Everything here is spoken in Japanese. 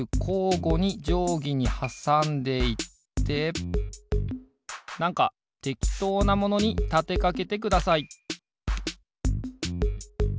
ごにじょうぎにはさんでいってなんかてきとうなものにたてかけてください